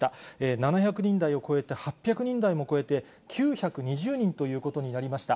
７００人台を超えて、８００人台も超えて、９２０人ということになりました。